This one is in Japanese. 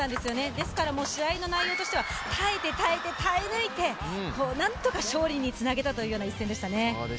ですから試合の内容としては耐えて耐えて耐え抜いて、なんとか勝利につなげたというような一戦でしたね。